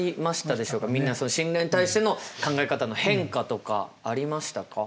みんな信頼に対しての考え方の変化とかありましたか？